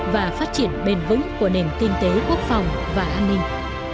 và phát triển bền vững của nền kinh tế quốc phòng và an ninh